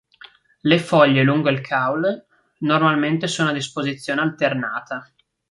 Le foglie lungo il caule normalmente sono a disposizione alternata.